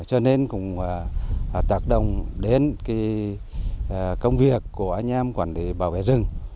cho nên cũng tạc đồng đến công việc của anh em quản lý bảo vệ rừng